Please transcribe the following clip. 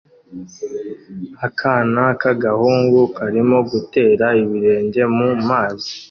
Akana k'agahungu karimo gutera ibirenge mu mazi